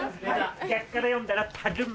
逆から読んだらタルマ。